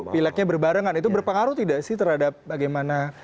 pileknya berbarengan itu berpengaruh tidak sih terhadap bagaimana